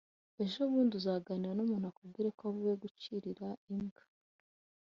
ejobundi uzaganira n’umuntu akubwire ko avuye gucirira imbwa